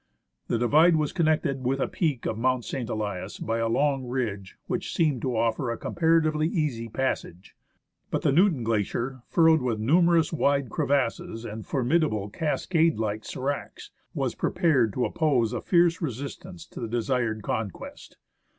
The divide was connected with the peak of Mount St. Elias by a long ridge which seemed to offer a comparatively easy passage. But the Newton Glacier, furrowed with numerous wide crevasses and formid able cascade like sdracs, was prepared to oppose a fierce resistance to the desired conquest.